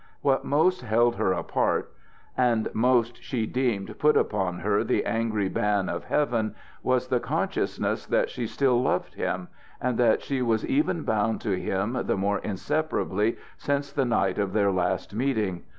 What most held her apart, and most she deemed put upon her the angry ban of Heaven, was the consciousness that she still loved him, and that she was even bound to him the more inseparably since the night of their last meeting.